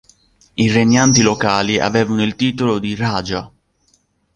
I regnanti locali avevano il titolo di "raja".